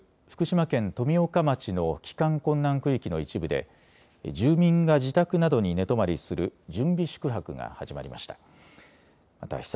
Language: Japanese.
福島県富岡町の帰還困難区域の一部で住民が自宅などに寝泊まりする準備宿泊が始まりました。